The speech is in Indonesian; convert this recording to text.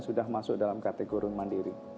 sudah masuk dalam kategori mandiri